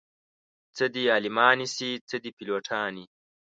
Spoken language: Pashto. څه دې عالمانې شي څه دې پيلوټانې